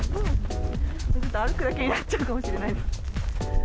ちょっと歩くだけになっちゃうかもしれないです。